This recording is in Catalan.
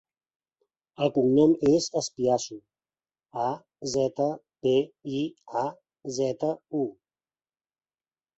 El cognom és Azpiazu: a, zeta, pe, i, a, zeta, u.